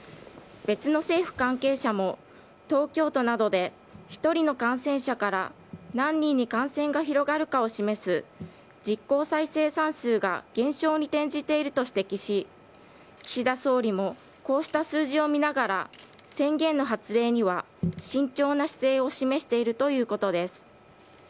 別の政府関係者も、東京都などで、１人の感染者から何人に感染が広がるかを示す実効再生産数が減少に転じていると指摘し、岸田総理もこうした数字を見ながら、宣言の発令には慎重な姿勢を示しているということです。